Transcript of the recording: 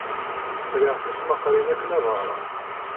Sriɣ tismaqqalin akken ad ɣreɣ.